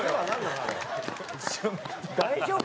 「大丈夫？」